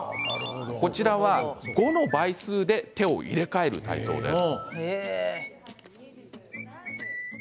こちらは、５の倍数で手を入れ替える体操です。